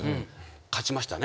勝ちましたね。